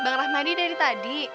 bang rahmadi dari tadi